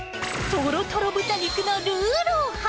とろとろ豚肉のルーロー飯。